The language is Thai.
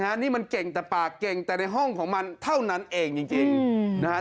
นี่มันเก่งแต่ปากเก่งแต่ในห้องของมันเท่านั้นเองจริงนะฮะ